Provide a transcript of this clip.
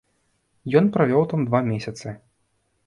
Ён правёў там два месяцы.